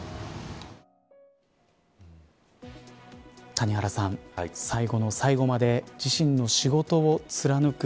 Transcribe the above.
谷原さん、最後の最後まで自身の仕事を貫く。